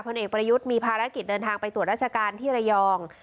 เอกประยุทธ์มีภารกิจเดินทางไปตรวจราชการที่ระยอง